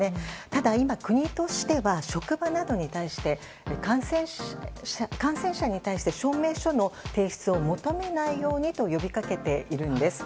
ただ今国としては職場などに対して感染者に対して証明書の提出を求めないようにと呼び掛けているんです。